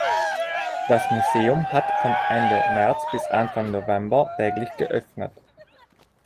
Das Museum hat von Ende März bis Anfang November täglich geöffnet.